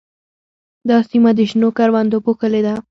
دا سیمه د شنو کروندو پوښلې ده.